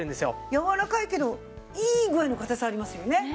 柔らかいけどいい具合の硬さありますよね。